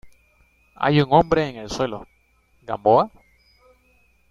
hay un hombre en el suelo. ¿ Gamboa?